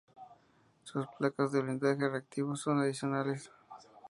Sus placas de blindaje reactivo son adicionales.